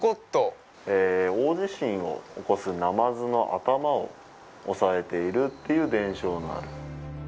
大地震を起こすナマズの頭を押さえているという伝承のある。